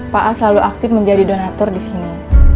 pak al selalu aktif menjadi donator di sini